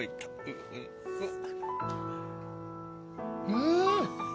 うん！